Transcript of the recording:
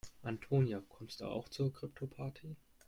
Antonia, kommst du auch zur Kryptoparty?